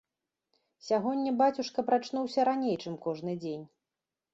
Сягоння бацюшка прачнуўся раней, чым кожны дзень.